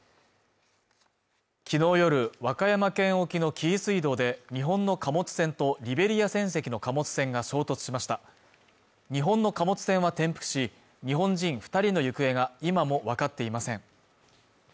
昨日夜和歌山県沖の紀伊水道で日本の貨物船とリベリア船籍の貨物船が衝突しました日本の貨物船は転覆し日本人二人の行方が今も分かっていません